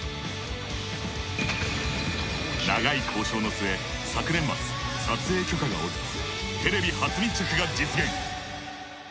長い交渉の末昨年末撮影許可が下りテレビ初密着が実現。